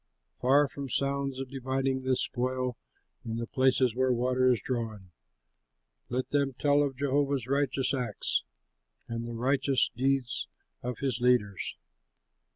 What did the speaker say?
Far from sounds of dividing the spoil, In the places where water is drawn, Let them tell of Jehovah's righteous acts, And the righteous deeds of his leaders!